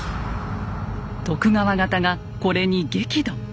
徳川方がこれに激怒。